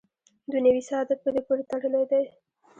دنیوي سعادت په دې پورې تړلی دی.